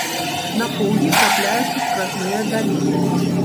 На поўдні трапляюцца скразныя даліны.